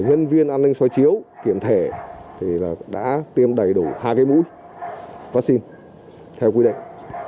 nhân viên an ninh soi chiếu kiểm thể thì đã tiêm đầy đủ hai cái mũi vaccine theo quy định